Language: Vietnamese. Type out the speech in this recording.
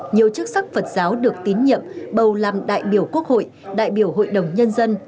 nhiều chức sắc phật giáo được tín nhiệm bầu làm đại biểu quốc hội đại biểu hội đồng nhân dân